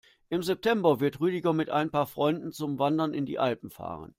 Im September wird Rüdiger mit ein paar Freunden zum Wandern in die Alpen fahren.